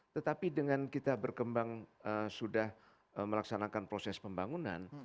tetapi dengan kita berkembang sudah melaksanakan proses pembangunan